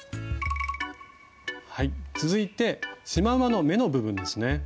はい続いてシマウマの目の部分ですね。